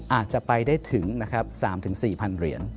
อาจจะไปได้ถึง๓๔พันเหรียญ